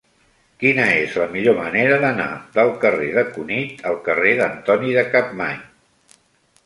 Quina és la millor manera d'anar del carrer de Cunit al carrer d'Antoni de Capmany?